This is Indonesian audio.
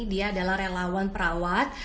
dia adalah relawan perawat